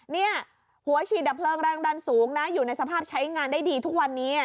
เนี่ยหัวฉีดดับเพลิงแรงดันสูงนะอยู่ในสภาพใช้งานได้ดีทุกวันนี้